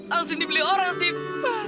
langsung dibeli orang steve